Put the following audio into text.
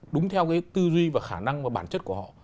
đúng theo cái tư duy và khả năng và bản chất của họ